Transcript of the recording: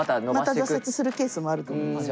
また挫折するケースもあると思いますよ。